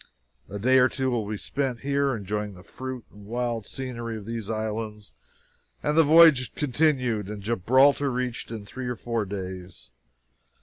A day or two will be spent here, enjoying the fruit and wild scenery of these islands, and the voyage continued, and Gibraltar reached in three or four days.